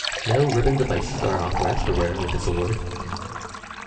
No ribbon devices are authorized for wear with this award.